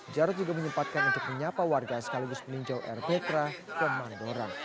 jarod juga menyempatkan untuk menyapa warga sekaligus meninjau erbekrah kemandoran